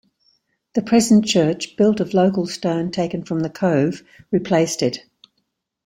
The present church, built of local stone taken from the cove, replaced it.